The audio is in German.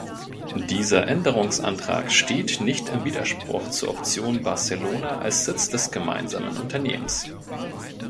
Dieser Änderungsantrag steht nicht im Widerspruch zur Option Barcelona als Sitz des gemeinsamen Unternehmens.